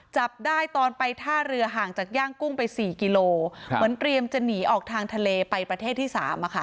จับได้ตอนไปท่าเรือห่างจากย่างกุ้งไปสี่กิโลเหมือนเตรียมจะหนีออกทางทะเลไปประเทศที่สามอะค่ะ